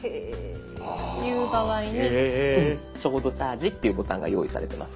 いう場合に「ちょうどチャージ」っていうボタンが用意されてます。